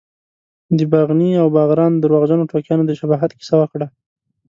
د باغني او باغران درواغجنو ټوکیانو د شباهت کیسه وکړه.